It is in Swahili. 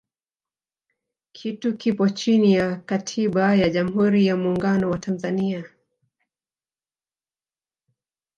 kitu kipo chini ya katiba ya jamhuri ya muungano wa tanzania